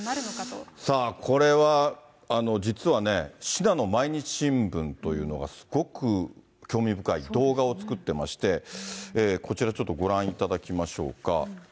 さあ、これは、実はね、信濃毎日新聞というのが、すごく興味深い動画を作ってまして、こちら、ちょっとご覧いただきましょうか。